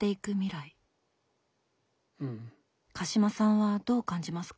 鹿島さんはどう感じますか？